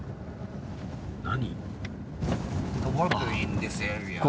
何。